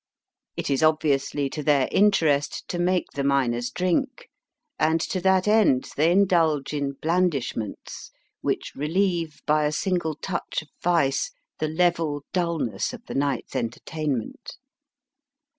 It is obviously to their interest to make the miners drink, and to that end they indulge in blandishments, which relieve by a single touch of vice the level dulness of the night's enter tainment.